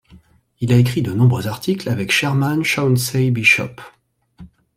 Il a écrit de nombreux articles avec Sherman Chauncey Bishop.